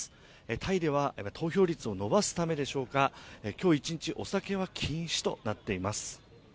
タイでは投票率を伸ばすためでしょうか、今日一日、お酒は禁止となっています。